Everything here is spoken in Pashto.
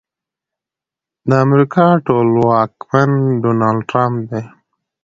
د امريکا ټولواکمن ډونالډ ټرمپ دی.